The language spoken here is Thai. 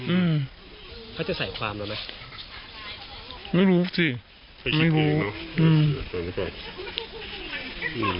อืมเขาจะใส่ความแล้วไหมไม่รู้สิไม่รู้อืม